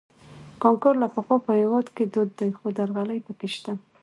کانکور له پخوا په هېواد کې دود دی خو درغلۍ پکې شته